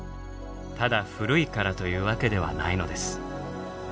ただ古いからというわけではないのです。